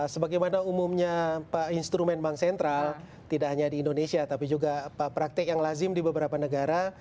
sebagaimana umumnya instrumen bank sentral tidak hanya di indonesia tapi juga praktik yang lazim di beberapa negara